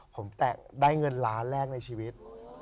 ผมแตะได้เงินล้านแรกในชีวิต